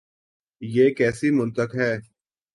یہ کیسی منطق ہے؟